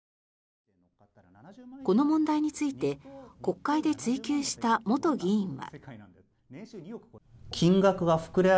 この問題について国会で追及した元議員は。